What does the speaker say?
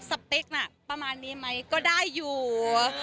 เป๊กน่ะประมาณนี้ไหมก็ได้อยู่